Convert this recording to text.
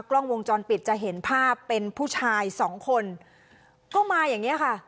กล้องวงจรปิดจะเห็นภาพเป็นผู้ชายสองคนก็มาอย่างเงี้ยค่ะ